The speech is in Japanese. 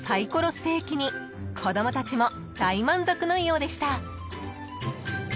ステーキに子供たちも大満足のようでした］